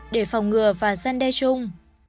để phòng ngừa và gian đe chung